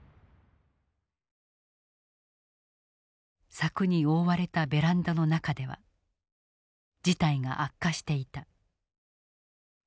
柵に覆われたベランダの中では事態が悪化していた。